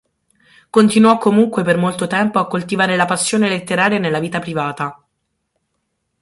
Continuò comunque per molto tempo a coltivare la passione letteraria nella vita privata.